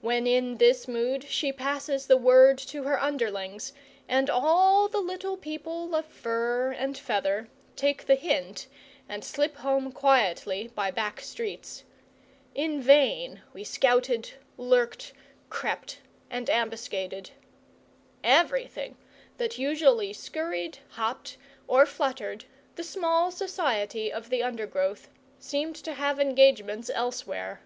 When in this mood she passes the word to her underlings, and all the little people of fur and feather take the hint and slip home quietly by back streets. In vain we scouted, lurked, crept, and ambuscaded. Everything that usually scurried, hopped, or fluttered the small society of the undergrowth seemed to have engagements elsewhere.